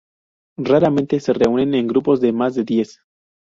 Raramente se reúnen en grupos de más de diez.